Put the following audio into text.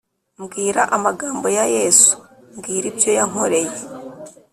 Mbwira amagambo ya yesu mbwira ibyo yankoreye